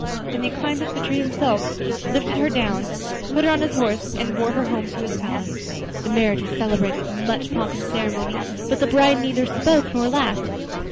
Then he climbed up the tree himself, lifted her down, put her on his horse and bore her home to his palace. The marriage was celebrated with much pomp and ceremony, but the bride neither spoke nor laughed.